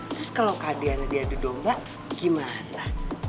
terus kalo kak adriana diadu domba gimana